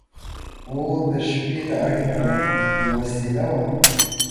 • اور د شپې د اړیکو وسیله وه.